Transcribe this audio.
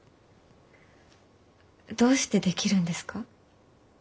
どうしてできるんですか？